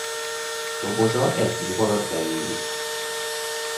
Toboza egy év alatt beérik.